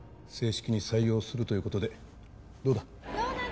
正式に採用するということでどうだ？